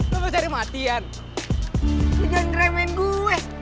lu pas dari matian udah ngeremeh gue